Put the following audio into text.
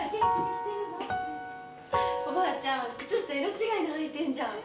おばあちゃん、靴下色違いの履いてんじゃん！